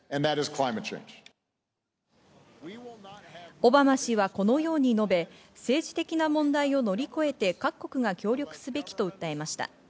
オバマ氏はこのように述べ、政治的な問題を乗り越えて、各国が協力すべきと訴えました。